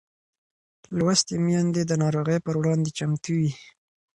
لوستې میندې د ناروغۍ پر وړاندې چمتو وي.